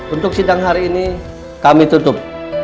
untuk sidang hari ini kami tutup